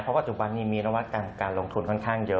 เพราะปัจจุบันนี้มีระวัตการลงทุนค่อนข้างเยอะ